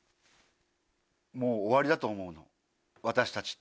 もう終わりだと思うの私たちって。